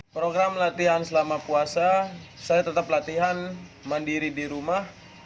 program latihan selama puasa saya tetap latihan mandiri di rumah